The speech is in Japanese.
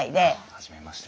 初めまして。